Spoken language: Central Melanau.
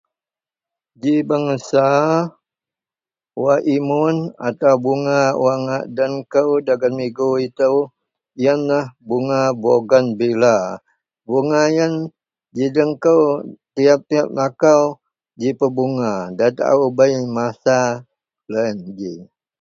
Ji bengsa wak imun atau bunga wak ngak den kou dagen migu itou yenlah bunga bogenvila. Bunga yen ji den kou tiyap-tiyap lakau ji pebunga, nda taou bei masa loyen ji